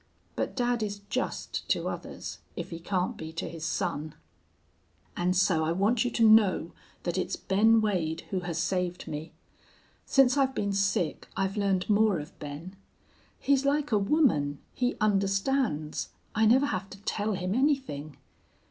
But dad is just to others, if he can't be to his son. "And so I want you to know that it's Ben Wade who has saved me. Since I've been sick I've learned more of Ben. He's like a woman. He understands. I never have to tell him anything.